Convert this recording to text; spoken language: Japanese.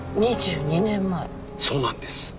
そうなんです。